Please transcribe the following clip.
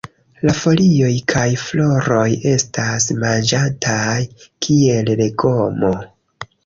La folioj kaj floroj estas manĝataj kiel legomo.